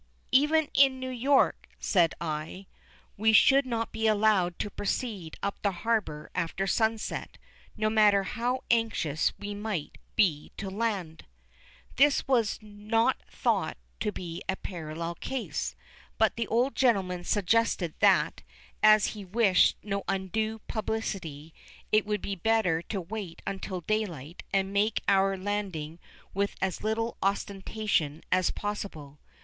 "Even in New York," said I, "we should not be allowed to proceed up the harbour after sunset, no matter how anxious we might be to land." This was not thought to be a parallel case, but the old gentleman suggested that, as he wished no undue publicity, it would be better to wait until daylight and make our landing with as little ostentation as possible.